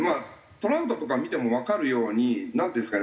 トラウトとか見てもわかるようになんていうんですかね。